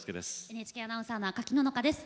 ＮＨＫアナウンサーの赤木野々花です。